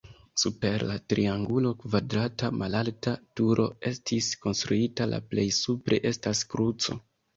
Super la triangulo kvadrata malalta turo estis konstruita, la plej supre estas kruco.